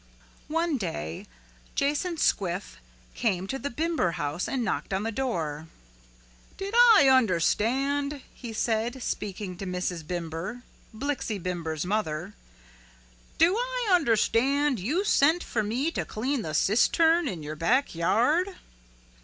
One day Jason Squiff came to the Bimber house and knocked on the door. "Did I understand," he said, speaking to Mrs. Bimber, Blixie Bimber's mother, "do I understand you sent for me to clean the cistern in your back yard?"